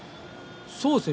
そうですね